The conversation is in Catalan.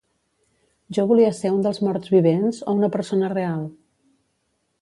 Jo volia ser un dels morts vivents, o una persona real?